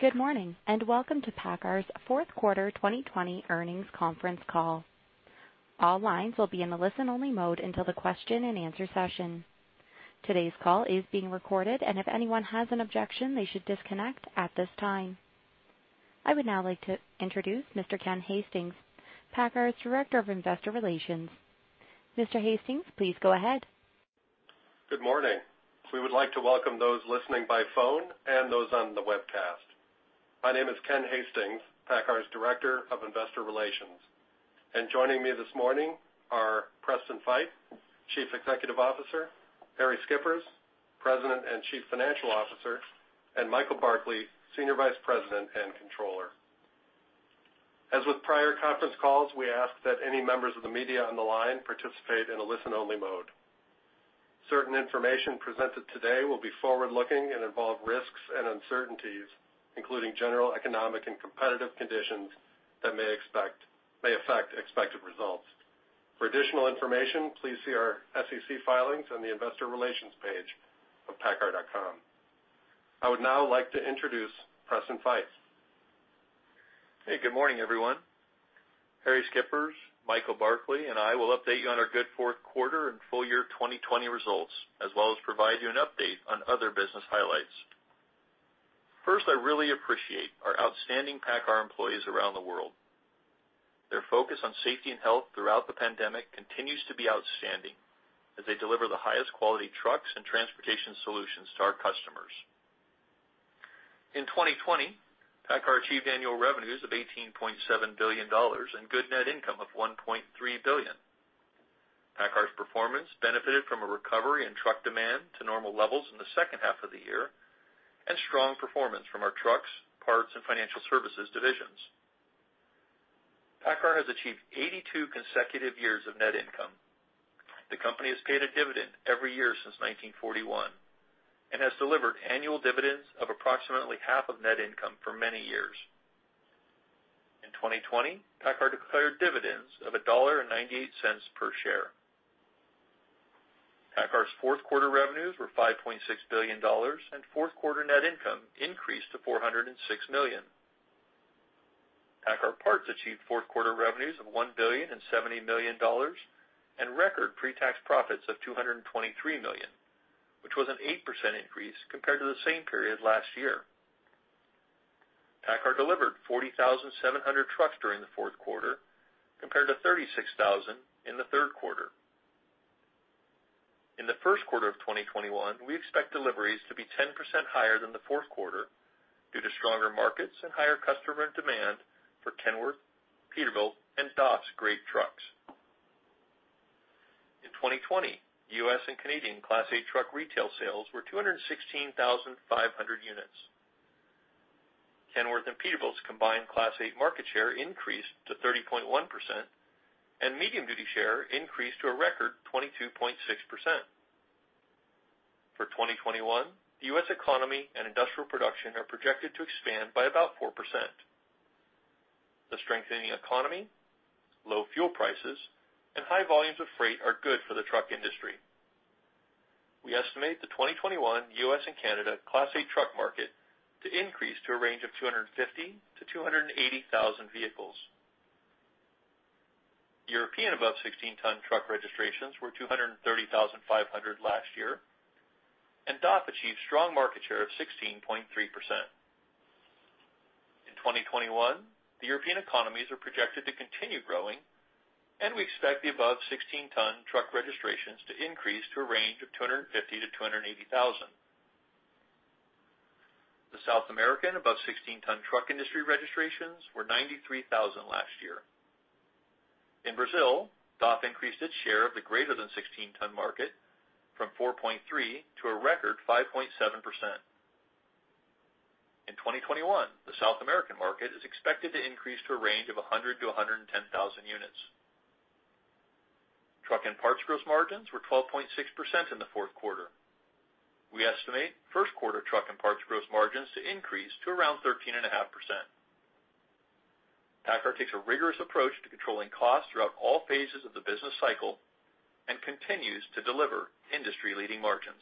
Good morning and welcome to PACCAR's fourth quarter 2020 earnings conference call. All lines will be in a listen-only mode until the question and answer session. Today's call is being recorded, and if anyone has an objection, they should disconnect at this time. I would now like to introduce Mr. Ken Hastings, PACCAR's Director of Investor Relations. Mr. Hastings, please go ahead. Good morning. We would like to welcome those listening by phone and those on the webcast. My name is Ken Hastings, PACCAR's Director of Investor Relations, and joining me this morning are Preston Feight, Chief Executive Officer, Harrie Schippers, President and Chief Financial Officer, and Michael Barkley, Senior Vice President and Controller. As with prior conference calls, we ask that any members of the media on the line participate in a listen-only mode. Certain information presented today will be forward-looking and involve risks and uncertainties, including general economic and competitive conditions that may affect expected results. For additional information, please see our SEC filings on the Investor Relations page of paccar.com. I would now like to introduce Preston Feight. Hey, good morning, everyone. Harrie Schippers, Michael Barkley, and I will update you on our good fourth quarter and full year 2020 results, as well as provide you an update on other business highlights. First, I really appreciate our outstanding PACCAR employees around the world. Their focus on safety and health throughout the pandemic continues to be outstanding, as they deliver the highest quality trucks and transportation solutions to our customers. In 2020, PACCAR achieved annual revenues of $18.7 billion and good net income of $1.3 billion. PACCAR's performance benefited from a recovery in truck demand to normal levels in the second half of the year and strong performance from our trucks, parts, and financial services divisions. PACCAR has achieved 82 consecutive years of net income. The company has paid a dividend every year since 1941 and has delivered annual dividends of approximately half of net income for many years. In 2020, PACCAR declared dividends of $1.98 per share. PACCAR's fourth quarter revenues were $5.6 billion, and fourth quarter net income increased to $406 million. PACCAR Parts achieved fourth quarter revenues of $1.07 billion and record pre-tax profits of $223 million, which was an 8% increase compared to the same period last year. PACCAR delivered 40,700 trucks during the fourth quarter, compared to 36,000 in the third quarter. In the first quarter of 2021, we expect deliveries to be 10% higher than the fourth quarter due to stronger markets and higher customer demand for Kenworth, Peterbilt, and DAF's great trucks. In 2020, U.S. and Canadian Class 8 truck retail sales were 216,500 units. Kenworth and Peterbilt's combined Class 8 market share increased to 30.1%, and medium-duty share increased to a record 22.6%. For 2021, the U.S. economy and industrial production are projected to expand by about 4%. The strengthening economy, low fuel prices, and high volumes of freight are good for the truck industry. We estimate the 2021 U.S. and Canada Class 8 truck market to increase to a range of 250,000-280,000 vehicles. European above 16-tonne truck registrations were 230,500 last year, and DAF achieved strong market share of 16.3%. In 2021, the European economies are projected to continue growing, and we expect the above 16-tonne truck registrations to increase to a range of 250,000-280,000. The South American above 16-tonne truck industry registrations were 93,000 last year. In Brazil, DAF increased its share of the greater than 16-tonne market from 4.3% to a record 5.7%. In 2021, the South American market is expected to increase to a range of 100,000-110,000 units. Truck and parts gross margins were 12.6% in the fourth quarter. We estimate first quarter truck and parts gross margins to increase to around 13.5%. PACCAR takes a rigorous approach to controlling costs throughout all phases of the business cycle and continues to deliver industry-leading margins.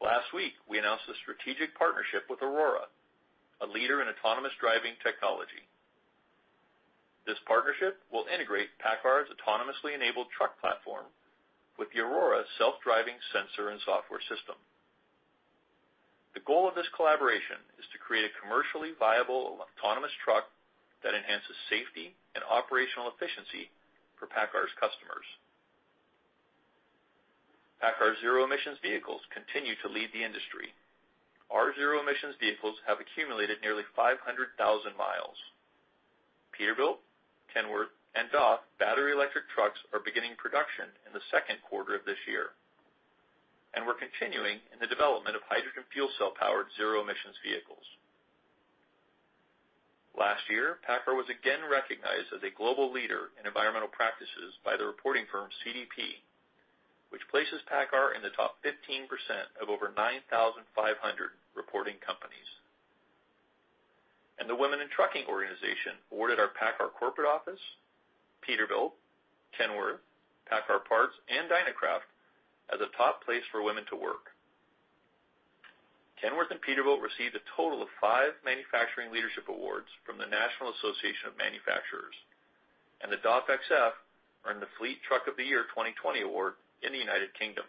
Last week, we announced a strategic partnership with Aurora, a leader in autonomous driving technology. This partnership will integrate PACCAR's autonomously enabled truck platform with the Aurora self-driving sensor and software system. The goal of this collaboration is to create a commercially viable autonomous truck that enhances safety and operational efficiency for PACCAR's customers. PACCAR's zero-emission vehicles continue to lead the industry. Our zero-emission vehicles have accumulated nearly 500,000 mi Peterbilt, Kenworth, and DAF battery-electric trucks are beginning production in the second quarter of this year and we're continuing in the development of hydrogen fuel cell-powered zero-emission vehicles. Last year, PACCAR was again recognized as a global leader in environmental practices by the reporting firm CDP, which places PACCAR in the top 15% of over 9,500 reporting companies, and the Women In Trucking organization awarded our PACCAR corporate office, Peterbilt, Kenworth, PACCAR Parts, and Dynacraft as a top place for women to work. Kenworth and Peterbilt received a total of five Manufacturing Leadership Awards from the National Association of Manufacturers, and the DAF XF earned the Fleet Truck of the Year 2020 award in the United Kingdom.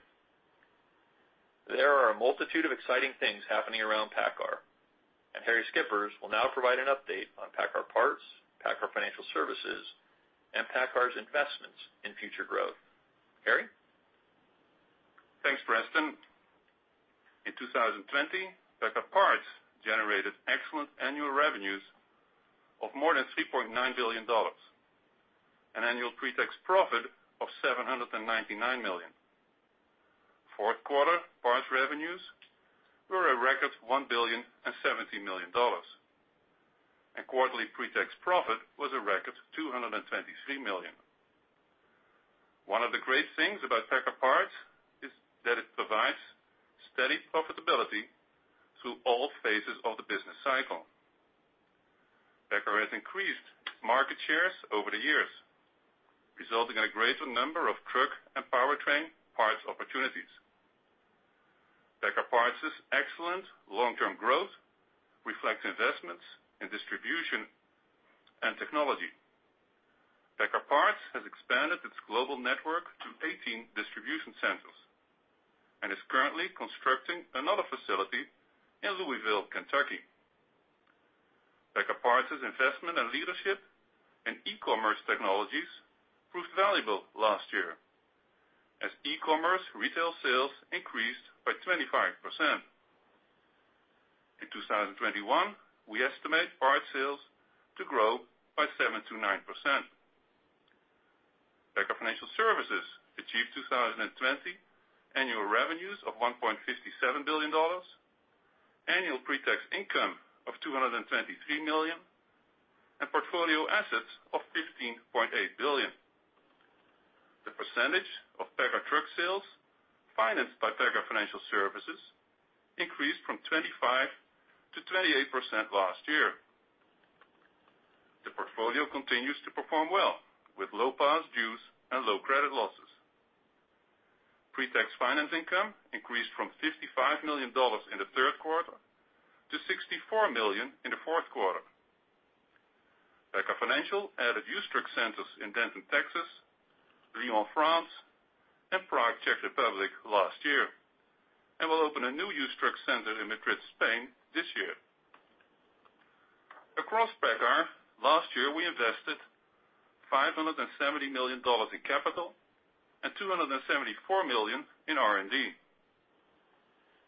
There are a multitude of exciting things happening around PACCAR, and Harrie Schippers will now provide an update on PACCAR Parts, PACCAR Financial Services, and PACCAR's investments in future growth. Harrie? Thanks, Preston. In 2020, PACCAR Parts generated excellent annual revenues of more than $3.9 billion and annual pre-tax profit of $799 million. Fourth quarter parts revenues were a record $1.7 billion, and quarterly pre-tax profit was a record $223 million. One of the great things about PACCAR Parts is that it provides steady profitability through all phases of the business cycle. PACCAR has increased market shares over the years, resulting in a greater number of truck and powertrain parts opportunities. PACCAR Parts' excellent long-term growth reflects investments in distribution and technology. PACCAR Parts has expanded its global network to 18 distribution centers and is currently constructing another facility in Louisville, Kentucky. PACCAR Parts' investment and leadership in e-commerce technologies proved valuable last year, as e-commerce retail sales increased by 25%. In 2021, we estimate parts sales to grow by 7%-9%. PACCAR Financial Services achieved 2020 annual revenues of $1.57 billion, annual pre-tax income of $223 million, and portfolio assets of $15.8 billion. The percentage of PACCAR truck sales financed by PACCAR Financial Services increased from 25%-28% last year. The portfolio continues to perform well, with low past dues and low credit losses. Pre-tax finance income increased from $55 million in the third quarter to $64 million in the fourth quarter. PACCAR Financial added used truck centers in Denton, Texas, Lyon, France, and Prague, Czech Republic last year, and will open a new used truck center in Madrid, Spain, this year. Across PACCAR, last year we invested $570 million in capital and $274 million in R&D.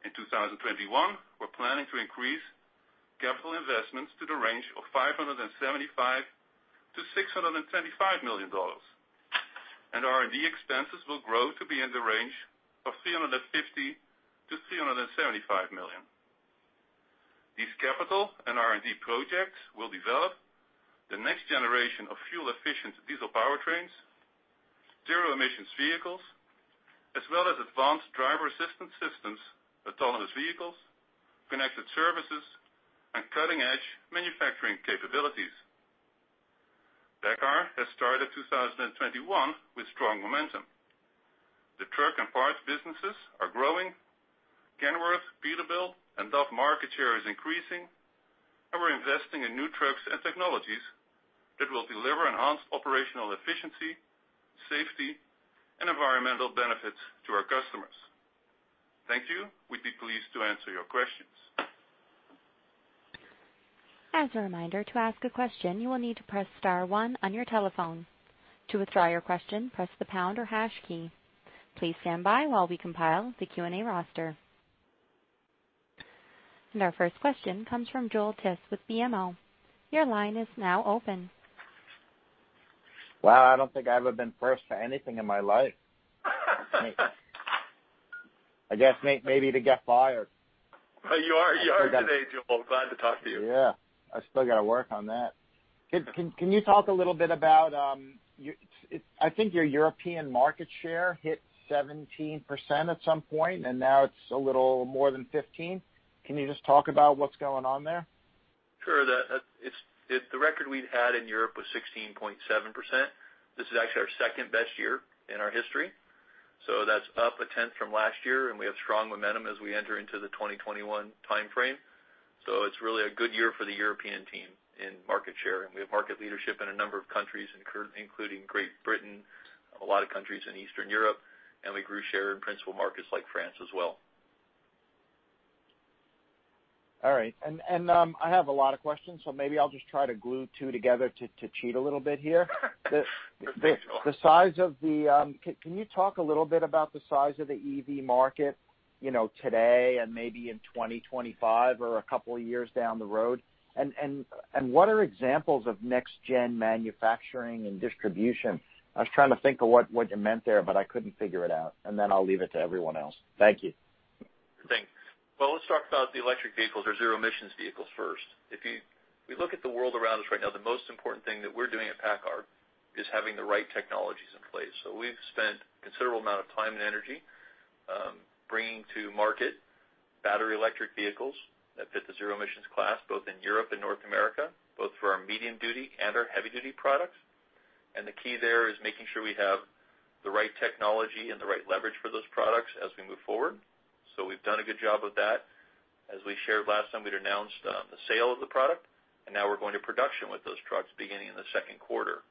In 2021, we're planning to increase capital investments to the range of $575 million-$625 million, and R&D expenses will grow to be in the range of $350 million-$375 million. These capital and R&D projects will develop the next generation of fuel-efficient diesel powertrains, zero-emission vehicles, as well as advanced driver-assistance systems, autonomous vehicles, connected services, and cutting-edge manufacturing capabilities. PACCAR has started 2021 with strong momentum. The truck and parts businesses are growing, Kenworth, Peterbilt, and DAF market share is increasing, and we're investing in new trucks and technologies that will deliver enhanced operational efficiency, safety, and environmental benefits to our customers. Thank you. We'd be pleased to answer your questions. As a reminder, to ask a question, you will need to press star one on your telephone. To withdraw your question, press the pound or hash key. Please stand by while we compile the Q&A roster, and our first question comes from Joel Tiss with BMO. Your line is now open. Wow, I don't think I've ever been first for anything in my life. I guess maybe to get fired. You are today, Joel. Glad to talk to you. Yeah, I still got to work on that. Can you talk a little bit about your—I think your European market share hit 17% at some point, and now it's a little more than 15%. Can you just talk about what's going on there? Sure. The record we'd had in Europe was 16.7%. This is actually our second-best year in our history, so that's up a tenth from last year, and we have strong momentum as we enter into the 2021 timeframe. It's really a good year for the European team in market share, and we have market leadership in a number of countries, including Great Britain, a lot of countries in Eastern Europe, and we grew share in principal markets like France as well. All right. And I have a lot of questions, so maybe I'll just try to glue two together to cheat a little bit here. Can you talk a little bit about the size of the EV market today and maybe in 2025 or a couple of years down the road? And what are examples of next-gen manufacturing and distribution? I was trying to think of what you meant there, but I couldn't figure it out. And then I'll leave it to everyone else. Thank you. Thanks. Well, let's talk about the electric vehicles or zero-emission vehicles first. If we look at the world around us right now, the most important thing that we're doing at PACCAR is having the right technologies in place. So we've spent a considerable amount of time and energy bringing to market battery-electric vehicles that fit the zero-emission class, both in Europe and North America, both for our medium-duty and our heavy-duty products. And the key there is making sure we have the right technology and the right leverage for those products as we move forward. So we've done a good job of that. As we shared last time, we'd announced the sale of the product, and now we're going to production with those trucks beginning in the second quarter.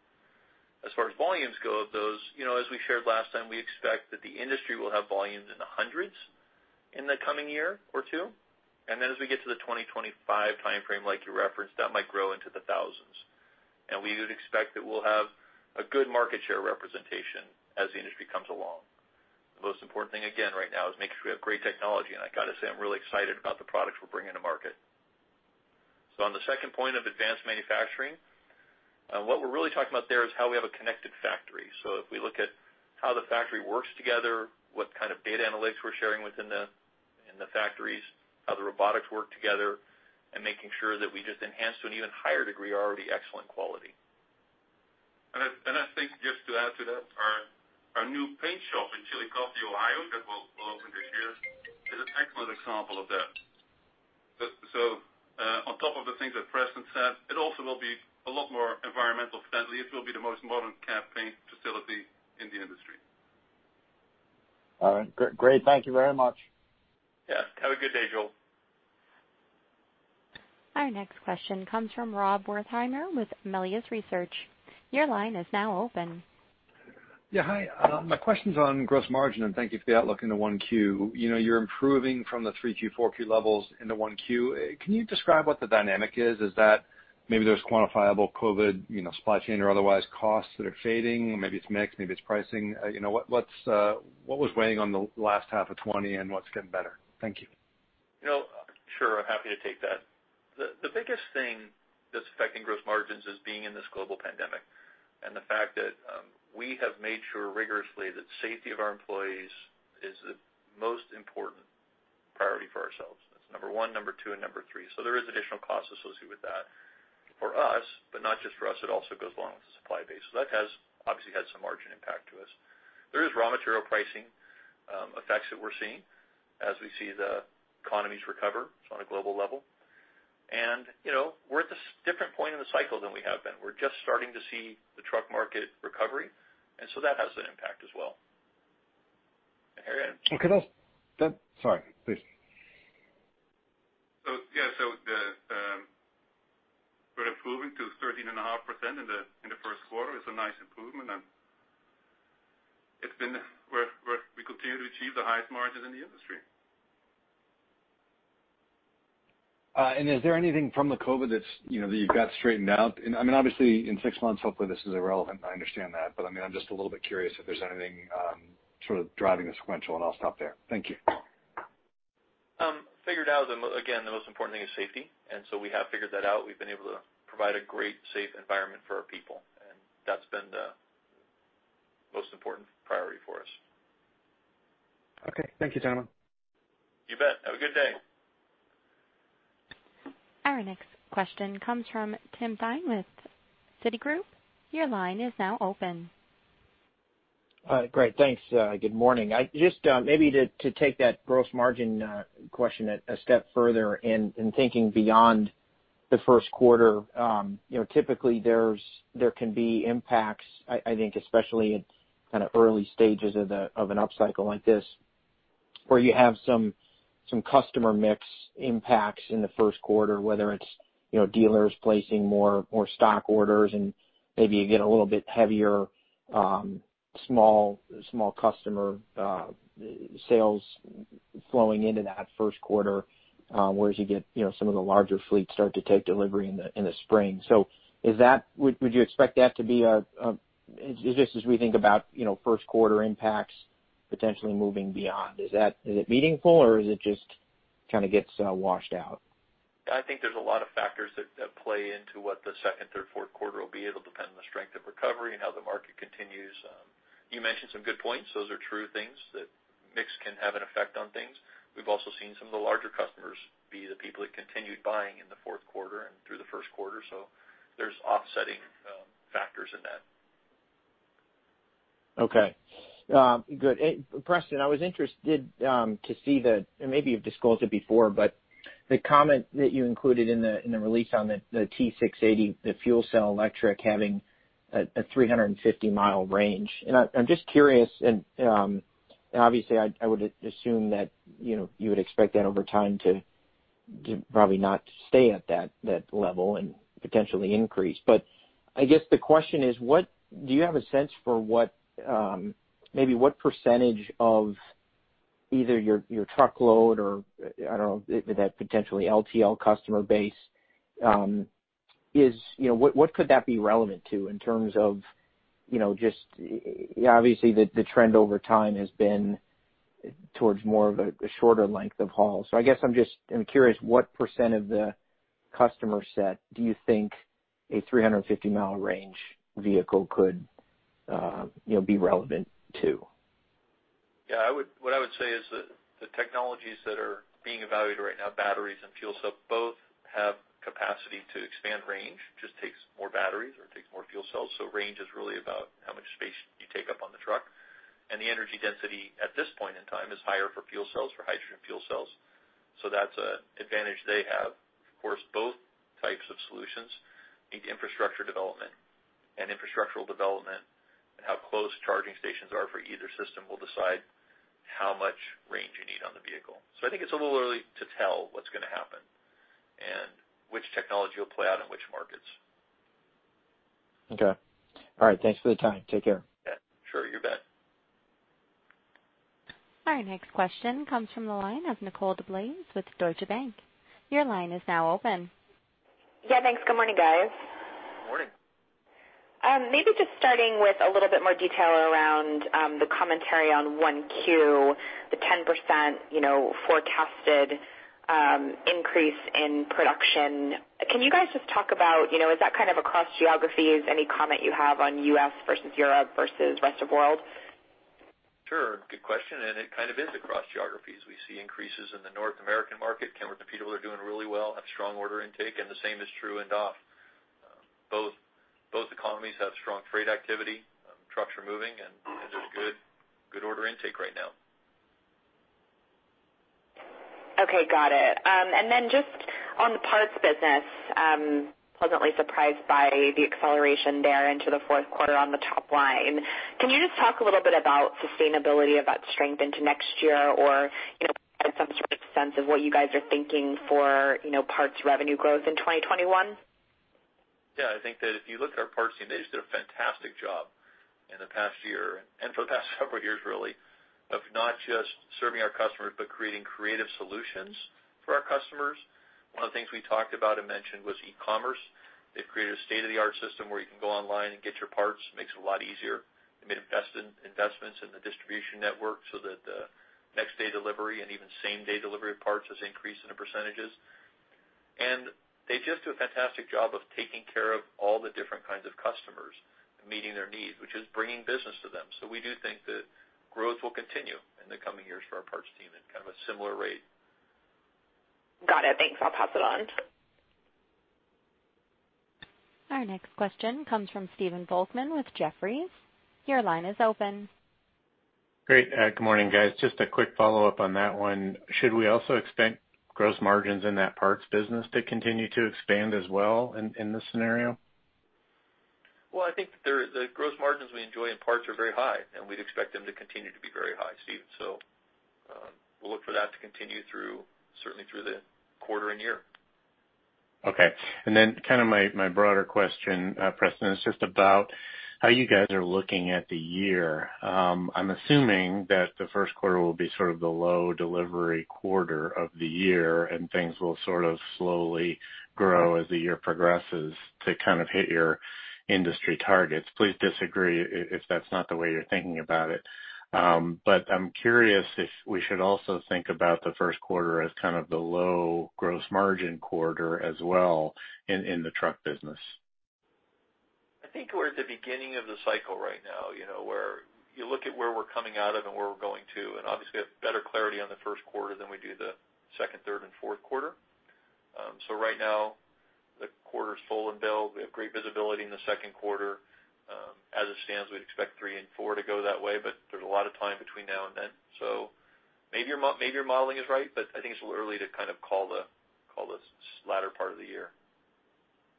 As far as volumes go of those, as we shared last time, we expect that the industry will have volumes in the hundreds in the coming year or two. And then as we get to the 2025 timeframe, like you referenced, that might grow into the thousands. And we would expect that we'll have a good market share representation as the industry comes along. The most important thing, again, right now, is making sure we have great technology. And I got to say, I'm really excited about the products we're bringing to market. So on the second point of advanced manufacturing, what we're really talking about there is how we have a connected factory. So if we look at how the factory works together, what kind of data analytics we're sharing within the factories, how the robotics work together, and making sure that we just enhance to an even higher degree our already excellent quality. And I think just to add to that, our new paint shop in Chillicothe, Ohio, that will open this year, is an excellent example of that. So on top of the things that Preston said, it also will be a lot more environmental friendly. It will be the most modern paint facility in the industry. All right. Great. Thank you very much. Yeah. Have a good day, Joel. Our next question comes from Rob Wertheimer with Melius Research. Your line is now open. Yeah, hi. My question's on gross margin, and thank you for the outlook in the 1Q. You're improving from the 3Q, 4Q levels in the 1Q. Can you describe what the dynamic is? Is that maybe there's quantifiable COVID supply chain or otherwise costs that are fading? Maybe it's mixed, maybe it's pricing. What was weighing on the last half of 2020, and what's getting better? Thank you. Sure. I'm happy to take that. The biggest thing that's affecting gross margins is being in this global pandemic and the fact that we have made sure rigorously that safety of our employees is the most important priority for ourselves. That's number one, number two, and number three. So there is additional cost associated with that for us, but not just for us. It also goes along with the supply base. So that has obviously had some margin impact to us. There is raw material pricing effects that we're seeing as we see the economies recover. It's on a global level, and we're at a different point in the cycle than we have been. We're just starting to see the truck market recovery, and so that has an impact as well, and Harrie. Sorry, please. So yeah, so we're improving to 13.5% in the first quarter. It's a nice improvement, and it's been where we continue to achieve the highest margins in the industry. Is there anything from the COVID that you've got straightened out? I mean, obviously, in six months, hopefully, this is irrelevant. I understand that. I mean, I'm just a little bit curious if there's anything sort of driving the sequential, and I'll stop there. Thank you. Figured out, again, the most important thing is safety, and so we have figured that out. We've been able to provide a great, safe environment for our people, and that's been the most important priority for us. Okay. Thank you, gentlemen. You bet. Have a good day. Our next question comes from Tim Thein with Citigroup. Your line is now open. All right. Great. Thanks. Good morning. Just maybe to take that gross margin question a step further and thinking beyond the first quarter, typically, there can be impacts, I think, especially at kind of early stages of an upcycle like this, where you have some customer mix impacts in the first quarter, whether it's dealers placing more stock orders, and maybe you get a little bit heavier small customer sales flowing into that first quarter, whereas you get some of the larger fleets start to take delivery in the spring. So would you expect that to be a? Is this as we think about first quarter impacts potentially moving beyond? Is it meaningful, or is it just kind of gets washed out? I think there's a lot of factors that play into what the second, third, fourth quarter will be. It'll depend on the strength of recovery and how the market continues. You mentioned some good points. Those are true things that mix can have an effect on things. We've also seen some of the larger customers be the people that continued buying in the fourth quarter and through the first quarter. So there's offsetting factors in that. Okay. Good. Preston, I was interested to see the, and maybe you've disclosed it before, but the comment that you included in the release on the T680, the fuel cell electric having a 350-mile range, and I'm just curious, and obviously, I would assume that you would expect that over time to probably not stay at that level and potentially increase, but I guess the question is, do you have a sense for maybe what % of either your truckload or, I don't know, that potentially LTL customer base is, what could that be relevant to in terms of just, obviously, the trend over time has been towards more of a shorter length of haul, so I guess I'm curious what % of the customer set do you think a 350-mile range vehicle could be relevant to? Yeah. What I would say is that the technologies that are being evaluated right now, batteries and fuel cells, both have capacity to expand range. It just takes more batteries or it takes more fuel cells. So range is really about how much space you take up on the truck. And the energy density at this point in time is higher for fuel cells, for hydrogen fuel cells. So that's an advantage they have. Of course, both types of solutions need infrastructure development, and infrastructural development, and how close charging stations are for either system will decide how much range you need on the vehicle. So I think it's a little early to tell what's going to happen and which technology will play out in which markets. Okay. All right. Thanks for the time. Take care. Yeah. Sure. You bet. Our next question comes from the line of Nicole DeBlase with Deutsche Bank. Your line is now open. Yeah. Thanks. Good morning, guys. Good morning. Maybe just starting with a little bit more detail around the commentary on 1Q, the 10% forecasted increase in production. Can you guys just talk about is that kind of across geographies? Any comment you have on U.S. versus Europe versus rest of world? Sure. Good question. And it kind of is across geographies. We see increases in the North American market. Kenworth and Peterbilt are doing really well, have strong order intake, and the same is true in DAF. Both economies have strong freight activity. Trucks are moving, and there's good order intake right now. Okay. Got it, and then just on the parts business, pleasantly surprised by the acceleration there into the fourth quarter on the top line. Can you just talk a little bit about sustainability of that strength into next year or some sort of sense of what you guys are thinking for parts revenue growth in 2021? Yeah. I think that if you look at our parts team, they just did a fantastic job in the past year and for the past several years, really, of not just serving our customers but creating creative solutions for our customers. One of the things we talked about and mentioned was e-commerce. They've created a state-of-the-art system where you can go online and get your parts. It makes it a lot easier. They made investments in the distribution network so that the next-day delivery and even same-day delivery of parts has increased in the percentages, and they just do a fantastic job of taking care of all the different kinds of customers and meeting their needs, which is bringing business to them, so we do think that growth will continue in the coming years for our parts team at kind of a similar rate. Got it. Thanks. I'll pass it on. Our next question comes from Stephen Volkmann with Jefferies. Your line is open. Great. Good morning, guys. Just a quick follow-up on that one. Should we also expect gross margins in that parts business to continue to expand as well in this scenario? I think the gross margins we enjoy in parts are very high, and we'd expect them to continue to be very high, Stephen. We'll look for that to continue certainly through the quarter and year. Okay. And then kind of my broader question, Preston, is just about how you guys are looking at the year. I'm assuming that the first quarter will be sort of the low delivery quarter of the year, and things will sort of slowly grow as the year progresses to kind of hit your industry targets. Please disagree if that's not the way you're thinking about it. But I'm curious if we should also think about the first quarter as kind of the low gross margin quarter as well in the truck business. I think we're at the beginning of the cycle right now where you look at where we're coming out of and where we're going to, and obviously, we have better clarity on the first quarter than we do the second, third, and fourth quarter. So right now, the quarter's full and built. We have great visibility in the second quarter. As it stands, we'd expect three and four to go that way, but there's a lot of time between now and then. So maybe your modeling is right, but I think it's a little early to kind of call the latter part of the year.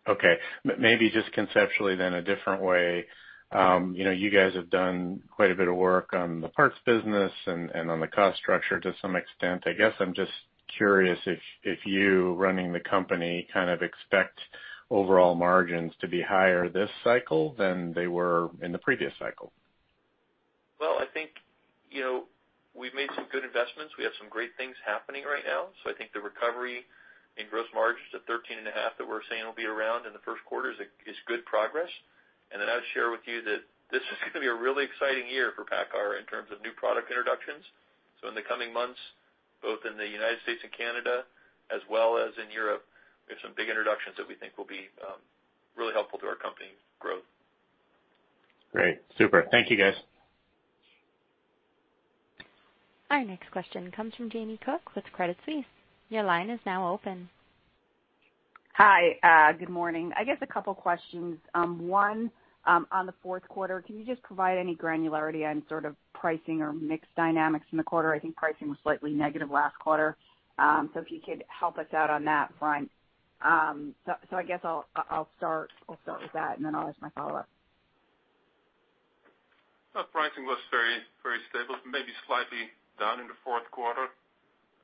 Okay. Maybe just conceptually then a different way. You guys have done quite a bit of work on the parts business and on the cost structure to some extent. I guess I'm just curious if you, running the company, kind of expect overall margins to be higher this cycle than they were in the previous cycle. Well, I think we've made some good investments. We have some great things happening right now. So I think the recovery in gross margins to 13.5% that we're saying will be around in the first quarter is good progress. And then I would share with you that this is going to be a really exciting year for PACCAR in terms of new product introductions. So in the coming months, both in the United States and Canada as well as in Europe, we have some big introductions that we think will be really helpful to our company growth. Great. Super. Thank you, guys. Our next question comes from Jamie Cook with Credit Suisse. Your line is now open. Hi. Good morning. I guess a couple of questions. One, on the fourth quarter, can you just provide any granularity on sort of pricing or mix dynamics in the quarter? I think pricing was slightly negative last quarter. So if you could help us out on that front. So I guess I'll start with that, and then I'll ask my follow-up. Pricing was very stable, maybe slightly down in the fourth quarter,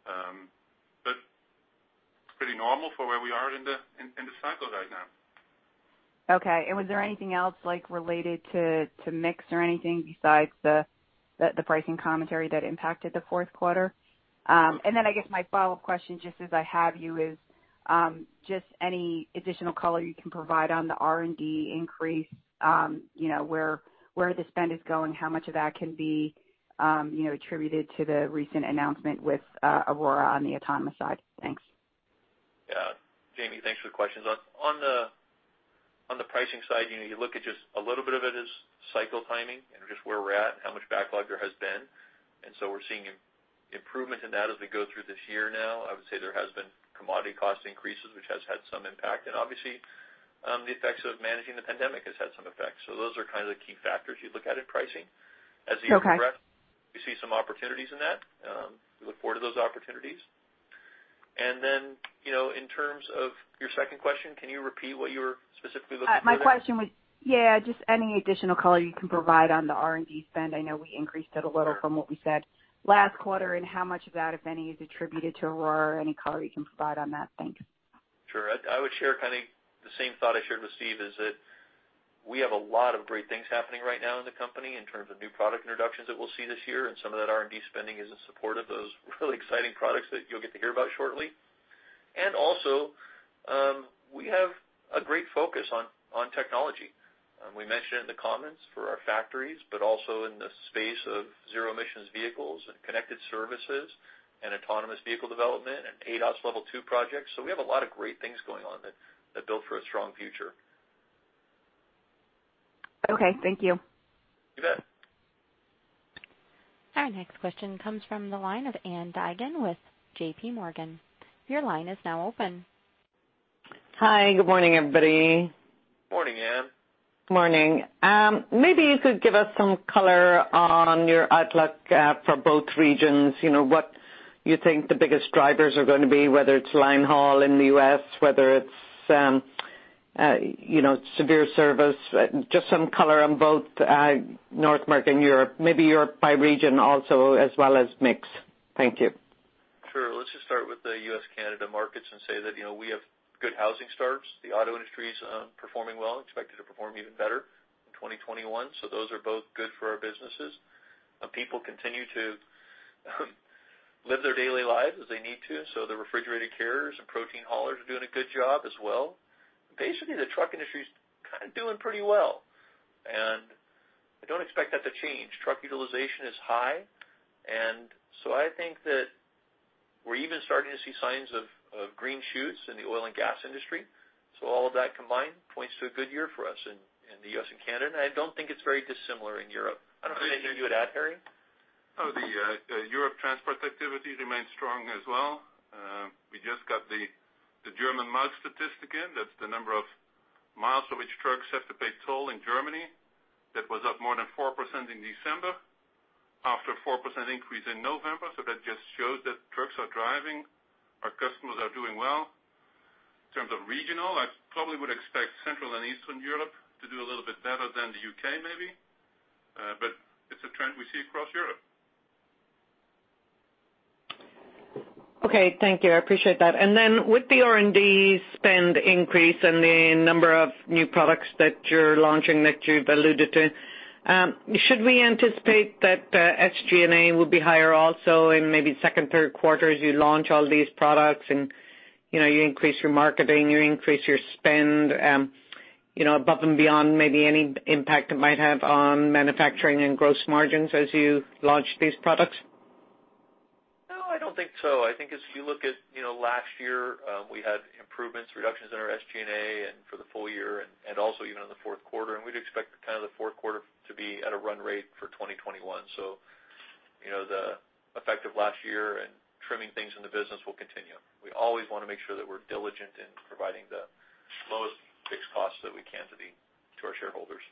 but pretty normal for where we are in the cycle right now. Okay. And was there anything else related to mix or anything besides the pricing commentary that impacted the fourth quarter? And then I guess my follow-up question, just as I have you, is just any additional color you can provide on the R&D increase, where the spend is going, how much of that can be attributed to the recent announcement with Aurora on the autonomous side? Thanks. Yeah. Jamie, thanks for the questions. On the pricing side, you look at just a little bit of it as cycle timing and just where we're at and how much backlog there has been. And so we're seeing improvement in that as we go through this year now. I would say there has been commodity cost increases, which has had some impact. And obviously, the effects of managing the pandemic has had some effects. So those are kind of the key factors you look at in pricing. As the year progresses, we see some opportunities in that. We look forward to those opportunities. And then in terms of your second question, can you repeat what you were specifically looking for? My question was, yeah, just any additional color you can provide on the R&D spend. I know we increased it a little from what we said last quarter, and how much of that, if any, is attributed to Aurora or any color you can provide on that. Thanks. Sure. I would share kind of the same thought I shared with Stephen, is that we have a lot of great things happening right now in the company in terms of new product introductions that we'll see this year, and some of that R&D spending is in support of those really exciting products that you'll get to hear about shortly, and also we have a great focus on technology. We mentioned it in the comments for our factories, but also in the space of zero-emission vehicles and connected services and autonomous vehicle development and ADAS Level 2 projects, so we have a lot of great things going on that build for a strong future. Okay. Thank you. You bet. Our next question comes from the line of Ann Duignan with JPMorgan. Your line is now open. Hi. Good morning, everybody. Morning, Ann. Morning. Maybe you could give us some color on your outlook for both regions, what you think the biggest drivers are going to be, whether it's linehaul in the U.S., whether it's severe service, just some color on both North America and Europe, maybe Europe by region also, as well as mix? Thank you. Sure. Let's just start with the U.S.-Canada markets and say that we have good housing starts. The auto industry is performing well and expected to perform even better in 2021, so those are both good for our businesses. People continue to live their daily lives as they need to, so the refrigerated carriers and protein haulers are doing a good job as well. Basically, the truck industry is kind of doing pretty well, and I don't expect that to change. Truck utilization is high, and so I think that we're even starting to see signs of green shoots in the oil and gas industry, so all of that combined points to a good year for us in the U.S. and Canada, and I don't think it's very dissimilar in Europe. I don't know if you can hear me at all, Harrie. Oh, the Europe transport activity remains strong as well. We just got the German Maut statistic in. That's the number of miles for which trucks have to pay toll in Germany. That was up more than 4% in December after a 4% increase in November. So that just shows that trucks are driving. Our customers are doing well. In terms of regional, I probably would expect Central and Eastern Europe to do a little bit better than the U.K., maybe. But it's a trend we see across Europe. Okay. Thank you. I appreciate that. And then with the R&D spend increase and the number of new products that you're launching that you've alluded to, should we anticipate that SG&A will be higher also in maybe second, third quarters? You launch all these products, and you increase your marketing, you increase your spend above and beyond maybe any impact it might have on manufacturing and gross margins as you launch these products? No, I don't think so. I think if you look at last year, we had improvements, reductions in our SG&A and for the full year and also even in the fourth quarter. And we'd expect kind of the fourth quarter to be at a run rate for 2021. So the effect of last year and trimming things in the business will continue. We always want to make sure that we're diligent in providing the lowest fixed costs that we can to our shareholders.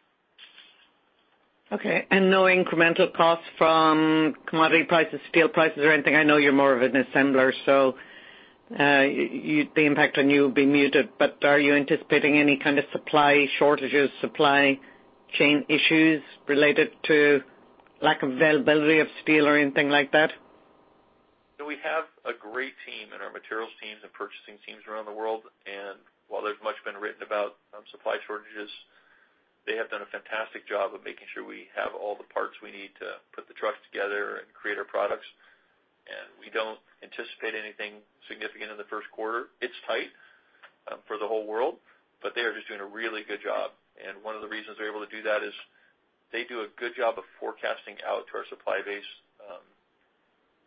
Okay. And no incremental costs from commodity prices, steel prices, or anything? I know you're more of an assembler, so the impact on you will be muted. But are you anticipating any kind of supply shortages, supply chain issues related to lack of availability of steel or anything like that? So we have a great team in our materials teams and purchasing teams around the world. And while there's much been written about supply shortages, they have done a fantastic job of making sure we have all the parts we need to put the trucks together and create our products. And we don't anticipate anything significant in the first quarter. It's tight for the whole world, but they are just doing a really good job. And one of the reasons they're able to do that is they do a good job of forecasting out to our supply base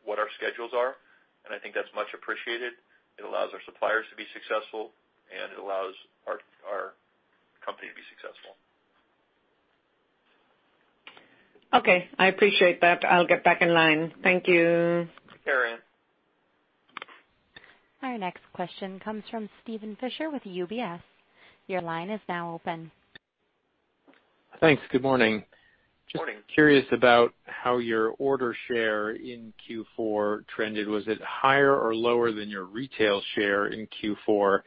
what our schedules are. And I think that's much appreciated. It allows our suppliers to be successful, and it allows our company to be successful. Okay. I appreciate that. I'll get back in line. Thank you. Take care, Ann. Our next question comes from Steven Fisher with UBS. Your line is now open. Thanks. Good morning. Good morning. Just curious about how your order share in Q4 trended. Was it higher or lower than your retail share in Q4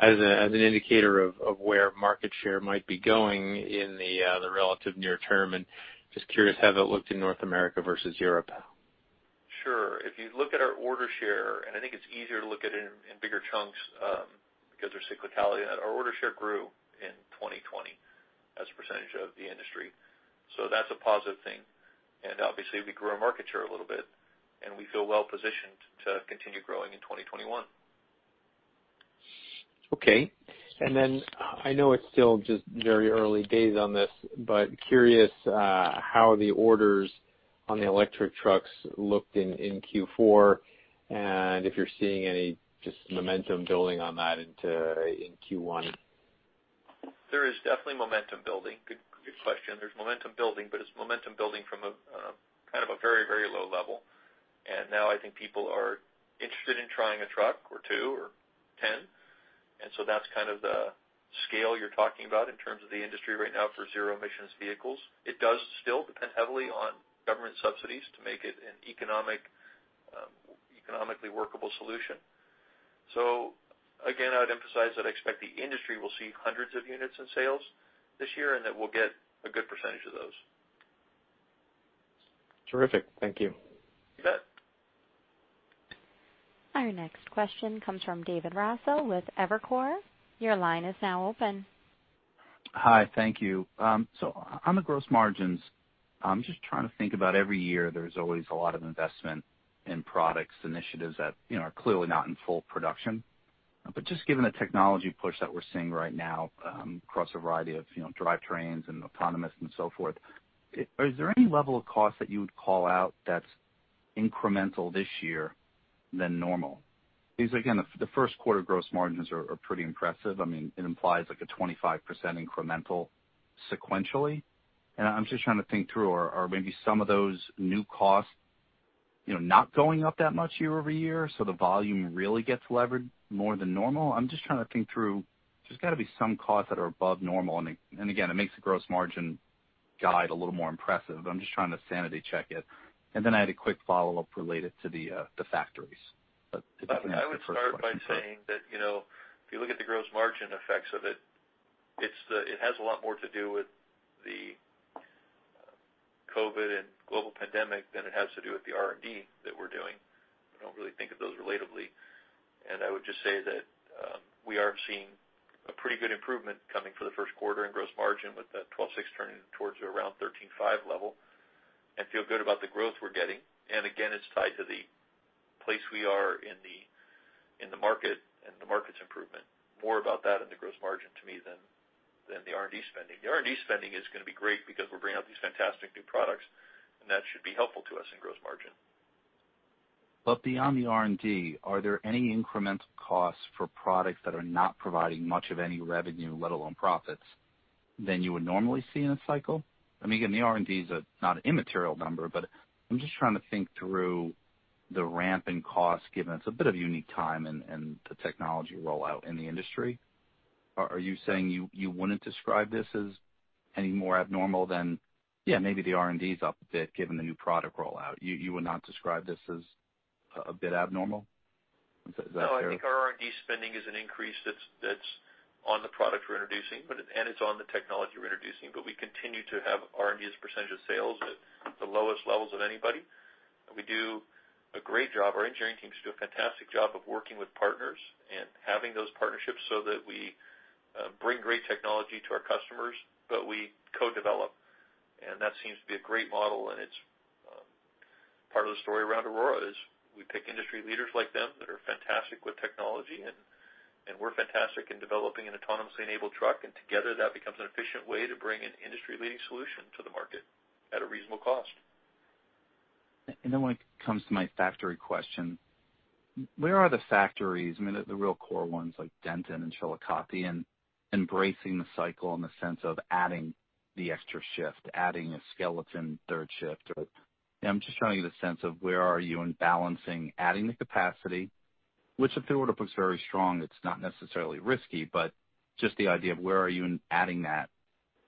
as an indicator of where market share might be going in the relative near term? And just curious how that looked in North America versus Europe. Sure. If you look at our order share, and I think it's easier to look at it in bigger chunks because there's cyclicality in that, our order share grew in 2020 as a percentage of the industry. So that's a positive thing. And obviously, we grew our market share a little bit, and we feel well-positioned to continue growing in 2021. Okay. And then I know it's still just very early days on this, but curious how the orders on the electric trucks looked in Q4 and if you're seeing any just momentum building on that in Q1? There is definitely momentum building. Good question. There's momentum building, but it's momentum building from kind of a very, very low level, and now I think people are interested in trying a truck or two or 10, and so that's kind of the scale you're talking about in terms of the industry right now for zero-emission vehicles. It does still depend heavily on government subsidies to make it an economically workable solution, so again, I would emphasize that I expect the industry will see hundreds of units in sales this year and that we'll get a good percentage of those. Terrific. Thank you. You bet. Our next question comes from David Raso with Evercore. Your line is now open. Hi. Thank you. So on the gross margins, I'm just trying to think about every year there's always a lot of investment in products, initiatives that are clearly not in full production. But just given the technology push that we're seeing right now across a variety of drivetrains and autonomous and so forth, is there any level of cost that you would call out that's incremental this year than normal? Because again, the first quarter gross margins are pretty impressive. I mean, it implies a 25% incremental sequentially. And I'm just trying to think through, are maybe some of those new costs not going up that much year over year so the volume really gets levered more than normal? I'm just trying to think through. There's got to be some costs that are above normal. And again, it makes the gross margin guide a little more impressive. I'm just trying to sanity check it. And then I had a quick follow-up related to the factories. I would start by saying that if you look at the gross margin effects of it, it has a lot more to do with the COVID and global pandemic than it has to do with the R&D that we're doing. I don't really think of those relatedly, and I would just say that we are seeing a pretty good improvement coming for the first quarter in gross margin with the 12.6 turning towards around 13.5 level and feel good about the growth we're getting, and again, it's tied to the place we are in the market and the market's improvement. More about that in the gross margin to me than the R&D spending. The R&D spending is going to be great because we're bringing out these fantastic new products, and that should be helpful to us in gross margin. But beyond the R&D, are there any incremental costs for products that are not providing much of any revenue, let alone profits, than you would normally see in a cycle? I mean, again, the R&D is not an immaterial number, but I'm just trying to think through the ramp in costs given it's a bit of a unique time and the technology rollout in the industry. Are you saying you wouldn't describe this as any more abnormal than, yeah, maybe the R&D is up a bit given the new product rollout? You would not describe this as a bit abnormal? Is that fair? I think our R&D spending is an increase that's on the product we're introducing, and it's on the technology we're introducing. But we continue to have R&D as a percentage of sales at the lowest levels of anybody. We do a great job. Our engineering teams do a fantastic job of working with partners and having those partnerships so that we bring great technology to our customers, but we co-develop. And that seems to be a great model. And part of the story around Aurora is we pick industry leaders like them that are fantastic with technology, and we're fantastic in developing an autonomously enabled truck. And together, that becomes an efficient way to bring an industry-leading solution to the market at a reasonable cost. And then when it comes to my factory question, where are the factories? I mean, the real core ones like Denton and Chillicothe, and embracing the cycle in the sense of adding the extra shift, adding a skeleton third shift. I'm just trying to get a sense of where are you in balancing adding the capacity, which if the order book's very strong, it's not necessarily risky, but just the idea of where are you in adding that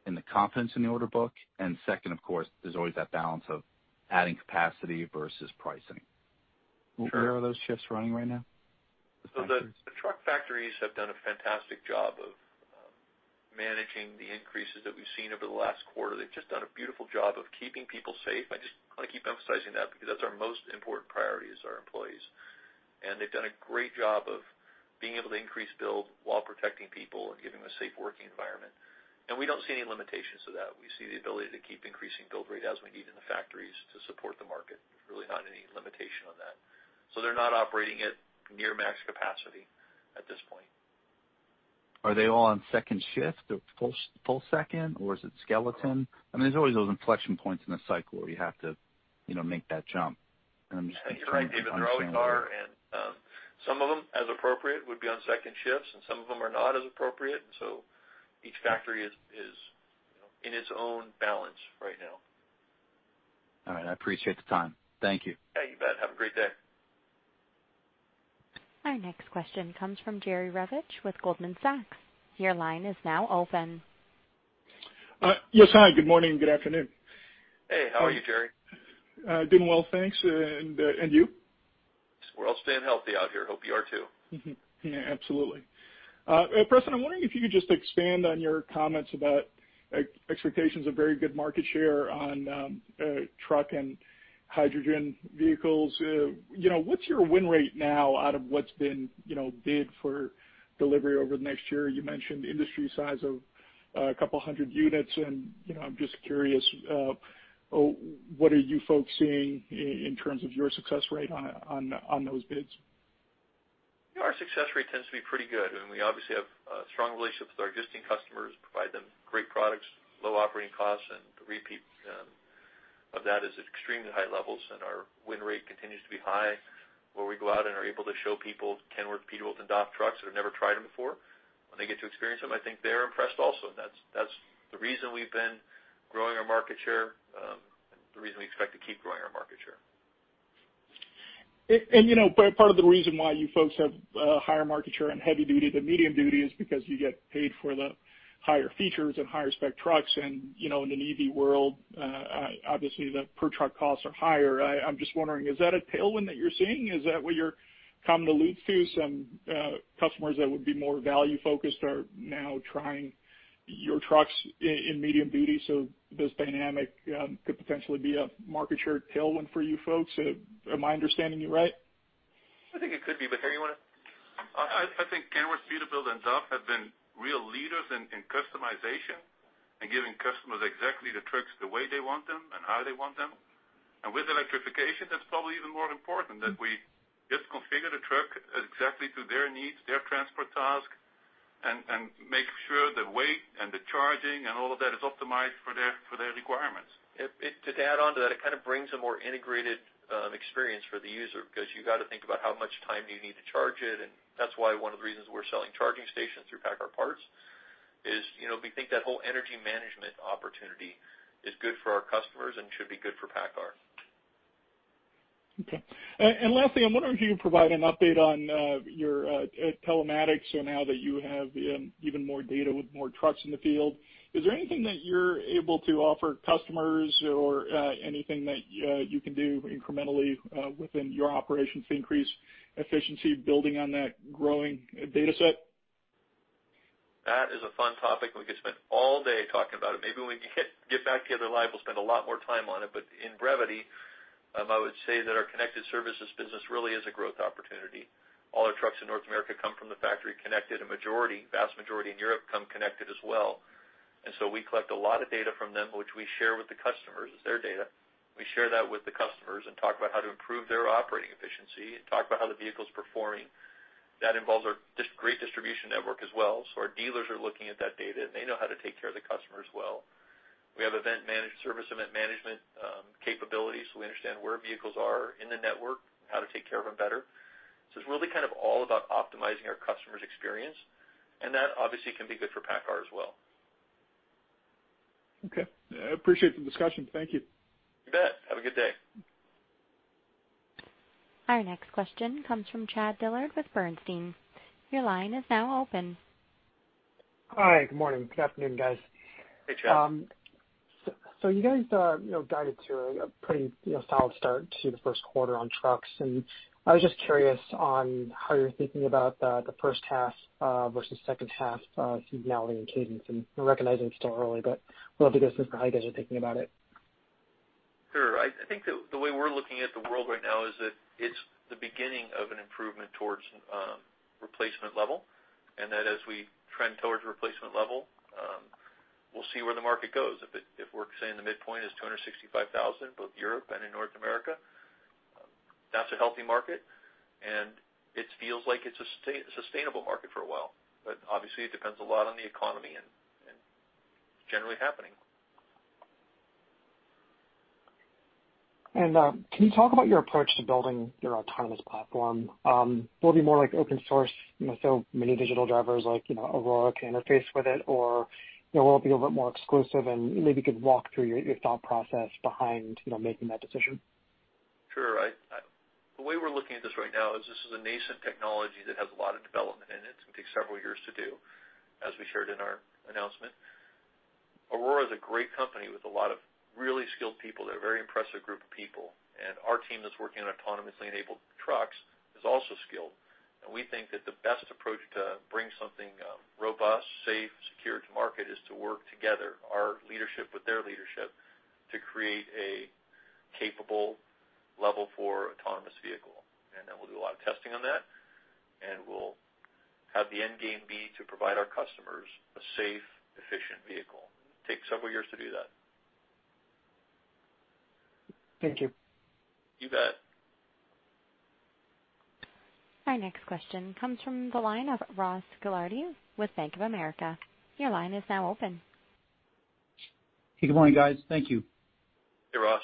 in the confidence in the order book? And second, of course, there's always that balance of adding capacity versus pricing. Where are those shifts running right now? The truck factories have done a fantastic job of managing the increases that we've seen over the last quarter. They've just done a beautiful job of keeping people safe. I just want to keep emphasizing that because that's our most important priority is our employees. And they've done a great job of being able to increase build while protecting people and giving them a safe working environment. And we don't see any limitations to that. We see the ability to keep increasing build rate as we need in the factories to support the market. There's really not any limitation on that. So they're not operating at near max capacity at this point. Are they all on second shift or full second, or is it skeleton? I mean, there's always those inflection points in the cycle where you have to make that jump. And I'm just thinking about that. That's right, David. They're always on. And some of them, as appropriate, would be on second shifts, and some of them are not as appropriate. And so each factory is in its own balance right now. All right. I appreciate the time. Thank you. Yeah. You bet. Have a great day. Our next question comes from Jerry Revich with Goldman Sachs. Your line is now open. Yes, hi. Good morning and good afternoon. Hey. How are you, Jerry? Doing well, thanks. And you? We're all staying healthy out here. Hope you are too. Yeah, absolutely. Preston, I'm wondering if you could just expand on your comments about expectations of very good market share on truck and hydrogen vehicles. What's your win rate now out of what's been bid for delivery over the next year? You mentioned industry size of a couple hundred units, and I'm just curious, what are you folks seeing in terms of your success rate on those bids? Yeah, our success rate tends to be pretty good. And we obviously have strong relationships with our existing customers, provide them great products, low operating costs. And the repeat of that is at extremely high levels. And our win rate continues to be high where we go out and are able to show people Kenworth, Peterbilt, and DAF trucks that have never tried them before. When they get to experience them, I think they're impressed also. And that's the reason we've been growing our market share and the reason we expect to keep growing our market share. Part of the reason why you folks have a higher market share in heavy-duty to medium-duty is because you get paid for the higher features and higher-spec trucks. In an EV world, obviously, the per truck costs are higher. I'm just wondering, is that a tailwind that you're seeing? Is that what you're coming to lose to? Some customers that would be more value-focused are now trying your trucks in medium-duty. This dynamic could potentially be a market share tailwind for you folks. Am I understanding you right? I think it could be, but how do you want to? I think Kenworth, Peterbilt, and DAF have been real leaders in customization and giving customers exactly the trucks the way they want them and how they want them, and with electrification, that's probably even more important that we just configure the truck exactly to their needs, their transport task, and make sure the weight and the charging and all of that is optimized for their requirements. To add on to that, it kind of brings a more integrated experience for the user because you got to think about how much time you need to charge it, and that's why one of the reasons we're selling charging stations through PACCAR Parts is we think that whole energy management opportunity is good for our customers and should be good for PACCAR. Okay, and lastly, I'm wondering if you could provide an update on your telematics so now that you have even more data with more trucks in the field? Is there anything that you're able to offer customers or anything that you can do incrementally within your operations to increase efficiency building on that growing dataset? That is a fun topic. We could spend all day talking about it. Maybe when we get back together live, we'll spend a lot more time on it. But in brevity, I would say that our connected services business really is a growth opportunity. All our trucks in North America come from the factory connected. A vast majority in Europe come connected as well. And so we collect a lot of data from them, which we share with the customers as their data. We share that with the customers and talk about how to improve their operating efficiency and talk about how the vehicle's performing. That involves our great distribution network as well. So our dealers are looking at that data, and they know how to take care of the customers well. We have event management, service event management capabilities. So we understand where vehicles are in the network, how to take care of them better. So it's really kind of all about optimizing our customers' experience. And that obviously can be good for PACCAR as well. Okay. I appreciate the discussion. Thank you. You bet. Have a good day. Our next question comes from Chad Dillard with Bernstein. Your line is now open. Hi. Good morning. Good afternoon, guys. Hey, Chad. So you guys guided to a pretty solid start to the first quarter on trucks. And I was just curious on how you're thinking about the first half versus second half seasonality and cadence. And I recognize it's still early, but I'd love to get some how you guys are thinking about it. Sure. I think the way we're looking at the world right now is that it's the beginning of an improvement towards replacement level. And that as we trend towards replacement level, we'll see where the market goes. If we're, say, in the midpoint, it's 265,000, both Europe and in North America, that's a healthy market. And it feels like it's a sustainable market for a while. But obviously, it depends a lot on the economy and generally happening. And can you talk about your approach to building your autonomous platform? Will it be more like open source? So many digital drivers like Aurora can interface with it, or will it be a little bit more exclusive? And maybe you could walk through your thought process behind making that decision. Sure. The way we're looking at this right now is this is a nascent technology that has a lot of development in it. It's going to take several years to do, as we shared in our announcement. Aurora is a great company with a lot of really skilled people. They're a very impressive group of people, and our team that's working on autonomously enabled trucks is also skilled, and we think that the best approach to bring something robust, safe, secure to market is to work together, our leadership with their leadership, to create a capable Level 4 autonomous vehicle, and then we'll do a lot of testing on that, and we'll have the end game be to provide our customers a safe, efficient vehicle. It'll take several years to do that. Thank you. You bet. Our next question comes from the line of Ross Gilardi with Bank of America. Your line is now open. Hey, good morning, guys. Thank you. Hey, Ross.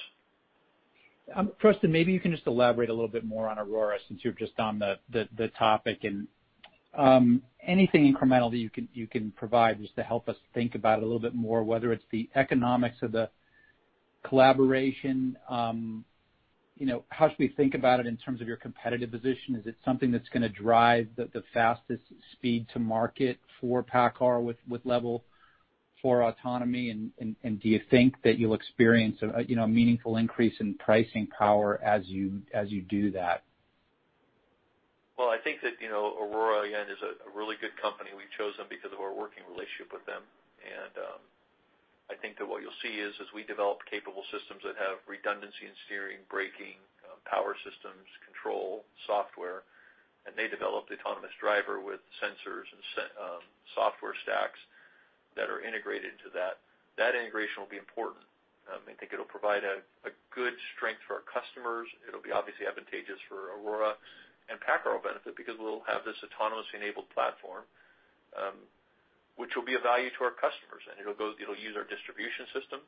Preston, maybe you can just elaborate a little bit more on Aurora since you're just on the topic. And anything incremental that you can provide just to help us think about it a little bit more, whether it's the economics of the collaboration, how should we think about it in terms of your competitive position? Is it something that's going to drive the fastest speed to market for PACCAR with Level 4 autonomy? And do you think that you'll experience a meaningful increase in pricing power as you do that? I think that Aurora, again, is a really good company. We chose them because of our working relationship with them. I think that what you'll see is, as we develop capable systems that have redundancy in steering, braking, power systems, control software, and they develop the autonomous driver with sensors and software stacks that are integrated into that, that integration will be important. I think it'll provide a good strength for our customers. It'll be obviously advantageous for Aurora, and PACCAR will benefit because we'll have this autonomously enabled platform, which will be of value to our customers. It'll use our distribution system.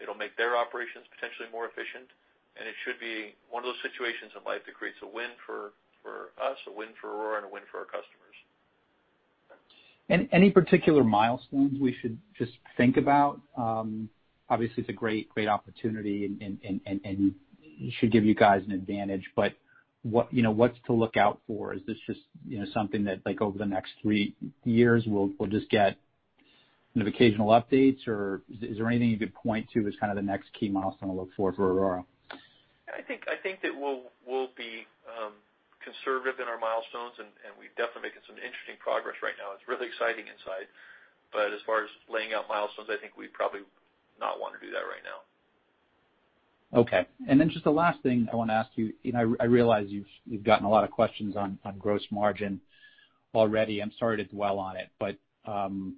It'll make their operations potentially more efficient. It should be one of those situations in life that creates a win for us, a win for Aurora, and a win for our customers. And any particular milestones we should just think about? Obviously, it's a great opportunity and should give you guys an advantage. But what's to look out for? Is this just something that over the next three years, we'll just get occasional updates? Or is there anything you could point to as kind of the next key milestone to look for for Aurora? I think that we'll be conservative in our milestones, and we've definitely made some interesting progress right now. It's really exciting inside. But as far as laying out milestones, I think we probably would not want to do that right now. Okay. And then just the last thing I want to ask you, and I realize you've gotten a lot of questions on gross margin already. I'm sorry to dwell on it. But I'm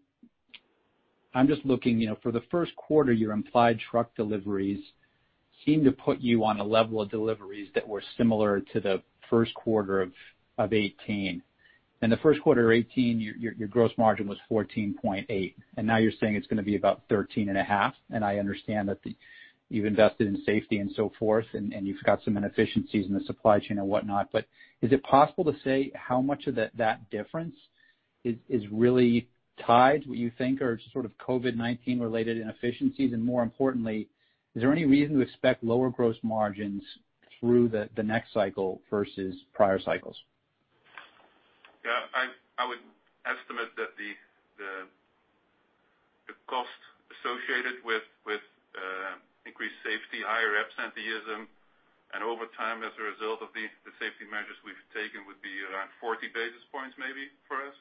just looking for the first quarter, your implied truck deliveries seem to put you on a level of deliveries that were similar to the first quarter of 2018. In the first quarter of 2018, your gross margin was 14.8. And now you're saying it's going to be about 13.5. And I understand that you've invested in safety and so forth, and you've got some inefficiencies in the supply chain and whatnot. But is it possible to say how much of that difference is really tied, what you think, or sort of COVID-19-related inefficiencies? And more importantly, is there any reason to expect lower gross margins through the next cycle versus prior cycles? Yeah. I would estimate that the cost associated with increased safety, higher absenteeism, and overtime as a result of the safety measures we've taken would be around 40 basis points, maybe for us.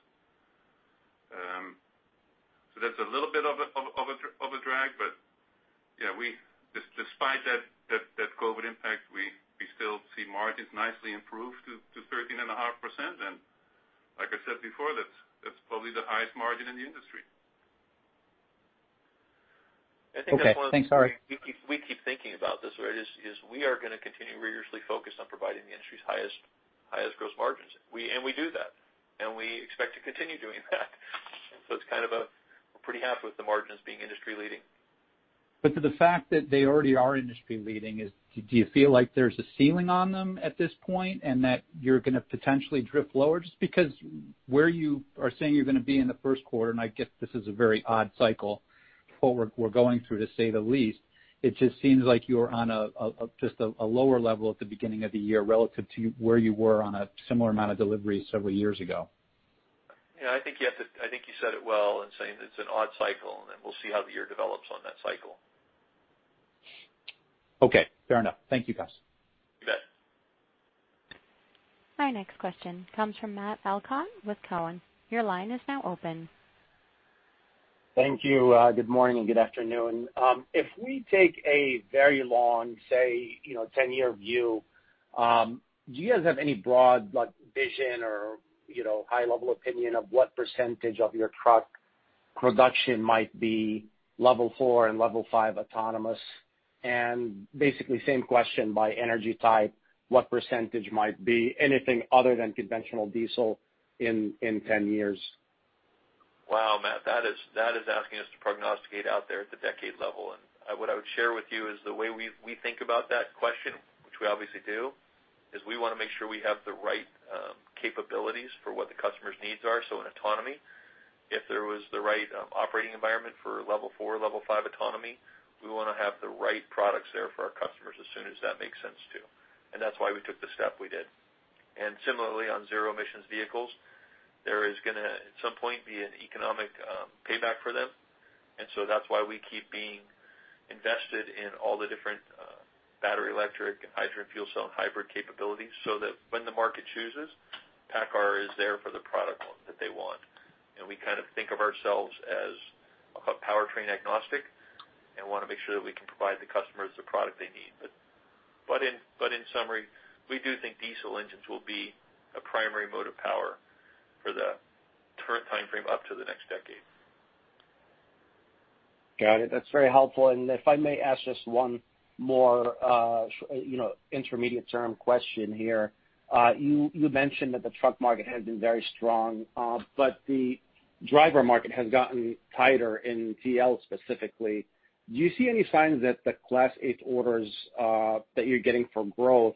So that's a little bit of a drag. But yeah, despite that COVID impact, we still see margins nicely improved to 13.5%. And like I said before, that's probably the highest margin in the industry. I think that's one. Thanks, sorry. We keep thinking about this, right? We are going to continue rigorously focused on providing the industry's highest gross margins. And we do that. And we expect to continue doing that. So it's kind of a we're pretty happy with the margins being industry-leading. But to the fact that they already are industry-leading, do you feel like there's a ceiling on them at this point and that you're going to potentially drift lower? Just because where you are saying you're going to be in the first quarter, and I guess this is a very odd cycle what we're going through, to say the least, it just seems like you're on just a lower level at the beginning of the year relative to where you were on a similar amount of deliveries several years ago. Yeah. I think you said it well in saying that it's an odd cycle, and then we'll see how the year develops on that cycle. Okay. Fair enough. Thank you, guys. You bet. Our next question comes from Matt Elkott with Cowen. Your line is now open. Thank you. Good morning and good afternoon. If we take a very long, say, 10-year view, do you guys have any broad vision or high-level opinion of what percentage of your truck production might be Level 4 and Level 5 autonomous? And basically, same question by energy type, what percentage might be anything other than conventional diesel in 10 years? Wow, Matt. That is asking us to prognosticate out there at the decade level. And what I would share with you is the way we think about that question, which we obviously do, is we want to make sure we have the right capabilities for what the customer's needs are. So in autonomy, if there was the right operating environment for Level 4, Level 5 autonomy, we want to have the right products there for our customers as soon as that makes sense too. And similarly, on zero-emission vehicles, there is going to at some point be an economic payback for them. And so that's why we keep being invested in all the different battery electric and hydrogen fuel cell and hybrid capabilities so that when the market chooses, PACCAR is there for the product that they want. And we kind of think of ourselves as a powertrain-agnostic and want to make sure that we can provide the customers the product they need. But in summary, we do think diesel engines will be a primary mode of power for the current timeframe up to the next decade. Got it. That's very helpful, and if I may ask just one more intermediate-term question here. You mentioned that the truck market has been very strong, but the driver market has gotten tighter in TL specifically. Do you see any signs that the Class 8 orders that you're getting for growth